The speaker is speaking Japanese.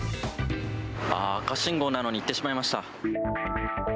ああ、赤信号なのに、行ってしまいました。